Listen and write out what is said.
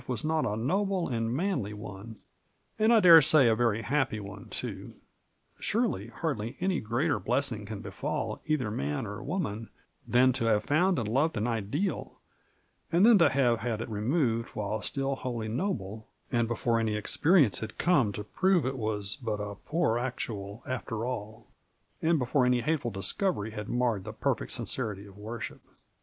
was not a noble and manly one, and I dare say a very bappy one, too. Sorely, bardly any greater blessing can befall eitber man or woman tban to bave found and loved an ideal, and tben to bave bad it removed wbile still wbolly noble, and before any experience bad come to prove it was bat a poor actual after all, and before any batefnl discovery bad marred tbe perfect sincerity of worsbip.